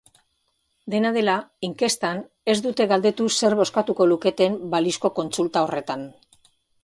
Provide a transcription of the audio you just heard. Dena dela, inkestan ez dute galdetu zer bozkatuko luketen balizko kontsulta horretan.